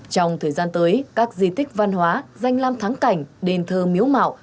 trong thời gian tới các di tích văn hóa danh lam thắng cảnh đền thơ miếu mạo